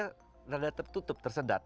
rada tertutup tersedat